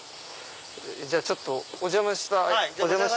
じゃあちょっとお邪魔します。